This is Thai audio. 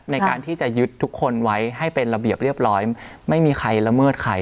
ในการที่จะยึดทุกคนไว้ให้เป็นระเบียบเรียบร้อยไม่มีใครละเมิดใคร